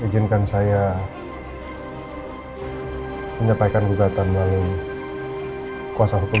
kalo saya kentaikan hukum dripping bahwa keluargaku ini suka